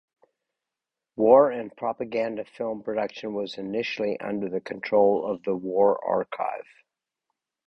War and propaganda film production was initially under the control of the war archive.